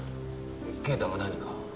啓太が何か？